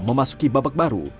memasuki babak baru